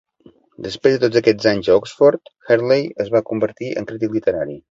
Després de tots aquests anys a Oxford, Hartley es va convertir en crític literari.